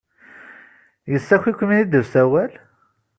Yessaki-kem-id usawal?